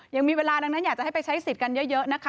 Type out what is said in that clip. ยังมีเวลาดังนั้นอยากจะให้ไปใช้สิทธิ์กันเยอะนะคะ